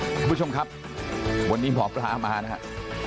คุณผู้ชมครับวันนี้หมอปลามานะครับ